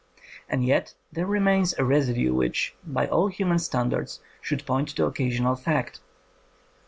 And yet there remains a residue which, by all human standards, should j)oint to occasional fact.